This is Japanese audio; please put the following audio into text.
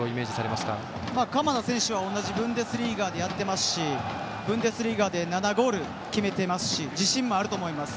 鎌田選手は同じブンデスリーガでやってますしブンデスリーガで７ゴール決めてますし自信もあると思います。